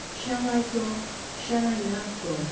"Shall I go ? Shall I not go?"